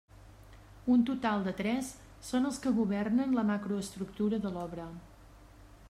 Un total de tres són els que governen la macroestructura de l'obra.